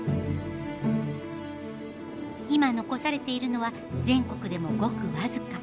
今残されているのは全国でもごく僅か。